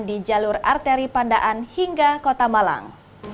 di jalur arteri pandaan hingga kota malang